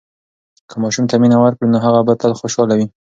که ماشوم ته مینه ورکړو، نو هغه به تل خوشحاله وي.